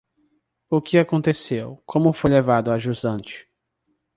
O que aconteceu, como foi levado a jusante?